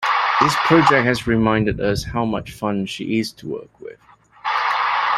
This project has reminded us how much fun she is to work with.